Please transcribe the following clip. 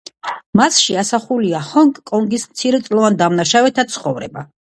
მასში ასახულია ჰონგ-კონგის მცირეწლოვან დამნაშავეთა ცხოვრება.